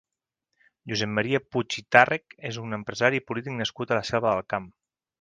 Josep Maria Puig i Tàrrech és un empresari i polític nascut a la Selva del Camp.